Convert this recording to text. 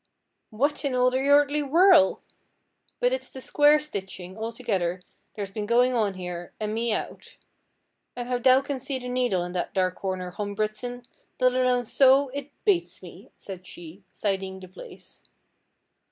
'What in all the earthly worl' ! But it's the quare stitching, altogether, there's been goin' on here, an' me out. An' how thou can see the needle in that dark corner, Hom Bridson, let alone sew, it bates me,' said she, siding the place.